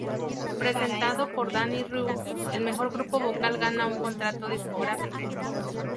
Presentado por Dani Reus el mejor grupo vocal gana un contrato discográfico.